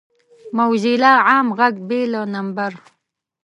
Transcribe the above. موزیلا عام غږ بې له نمبر